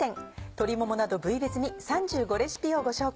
鶏ももなど部位別に３５レシピをご紹介。